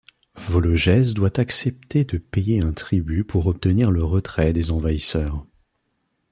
Vologèse doit accepter de payer un tribut pour obtenir le retrait des envahisseurs.